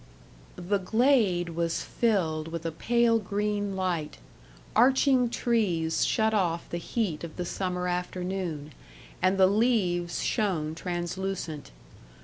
The Glade was filled with a pale green light; arching trees shut off the heat of the summer afternoon, and the leaves shone translucent.